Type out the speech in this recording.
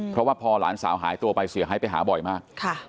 เพราะว่าพอหลานสาวหายตัวไปเสียหายไปหาบ่อยมาก